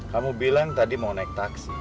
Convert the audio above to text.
kamu bilang tadi mau naik taksi